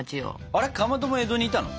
あれかまども江戸にいたの？